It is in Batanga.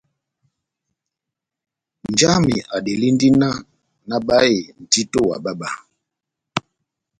Nja wami adelindi náh nabáhe ndito wa bába.